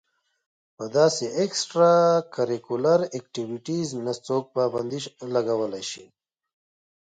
پۀ داسې اېکسټرا کريکولر ايکټويټيز نۀ څوک پابندي لګولے شي